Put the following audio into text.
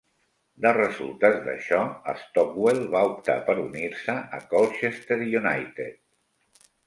De resultes d'això, Stockwell va optar per unir-se a Colchester United.